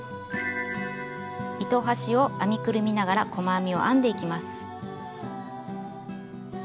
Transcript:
糸端を編みくるみながら細編みを編んでいきます。